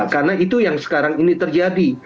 karena itu yang sekarang ini terjadi